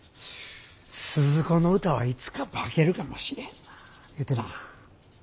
スズ子の歌はいつか化けるかもしれへんないうてな。